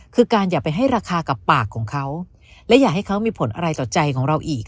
คือการอย่าไปให้ราคากับปากของเขาและอย่าให้เขามีผลอะไรต่อใจของเราอีก